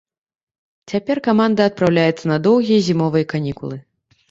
Цяпер каманда адпраўляецца на доўгія зімовыя канікулы.